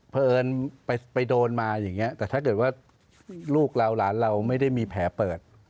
เพราะเอิญไปโดนมาอย่างนี้แต่ถ้าเกิดว่าลูกเราหลานเราไม่ได้มีแผลเปิด